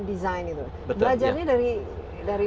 desain itu belajarnya dari